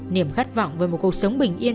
niềm khát vọng về một cuộc sống bình yên